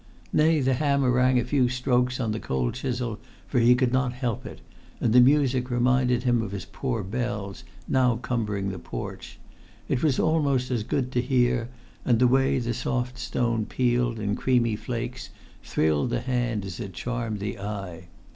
Nay, the hammer rang a few strokes on the cold chisel, for he could not help it, and the music reminded him of his poor bells, now cumbering the porch; it was almost as good to hear; and the way the soft stone peeled, in creamy flakes, thrilled the hand as it charmed the eye.